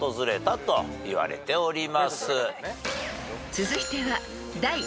［続いては］